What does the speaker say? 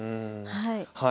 はい。